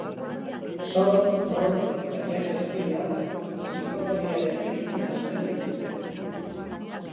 Soul, rock eta jazz estiloak psikodeliarekin nahasten dituzte.